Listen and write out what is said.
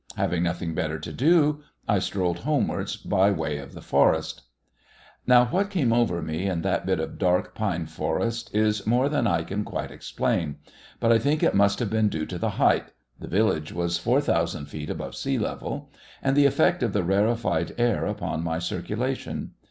Having nothing better to do, I strolled homewards by way of the forest. Now what came over me in that bit of dark pine forest is more than I can quite explain, but I think it must have been due to the height the village was 4,000 feet above sea level and the effect of the rarefied air upon my circulation.